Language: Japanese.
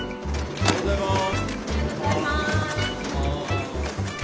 おはようございます。